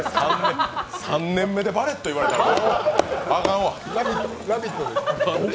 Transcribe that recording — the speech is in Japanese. ３年目でバレット言われたら「ラヴィット！」、「ラヴィット！」です。